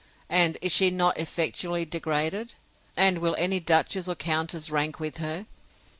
and is she not effectually degraded? And will any duchess or countess rank with her?